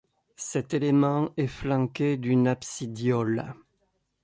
Cet élément est flanqué d'une absidiole.